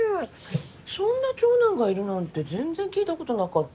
そんな長男がいるなんて全然聞いたことなかった。